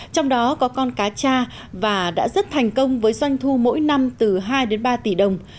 trong đó có con cá cha và đã rất thành công với doanh thu mỗi năm từ hai ba tỷ đồng